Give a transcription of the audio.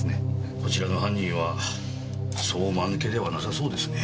こちらの犯人はそう間抜けではなさそうですねぇ。